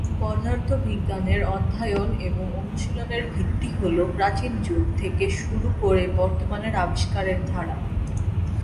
পদার্থবিজ্ঞানের অধ্যয়ন এবং অনুশীলনের ভিত্তি হলো প্রাচীন যুগ থেকে শুরু করে বর্তমানের আবিষ্কারের ধারা।